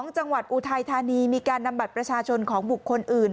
จังหวัดอุทัยธานีมีการนำบัตรประชาชนของบุคคลอื่น